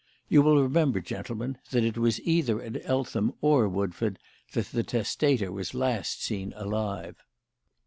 You will remember, gentlemen, that it was either at Eltham or Woodford that the testator was last seen alive.